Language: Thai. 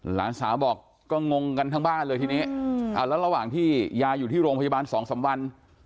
หลานสาวบอกก็งงกันทั้งบ้านเลยทีนี้แล้วระหว่างที่ยายอยู่ที่โรงพยาบาล๒๓วัน